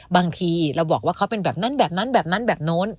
บางทีเราบอกว่าเขาเป็นแบบนั้นแบบนั้นแบบนั้นแบบโน้น